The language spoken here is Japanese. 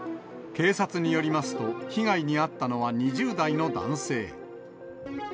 警察によりますと、被害に遭ったのは２０代の男性。